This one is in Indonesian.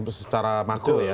terus secara makro ya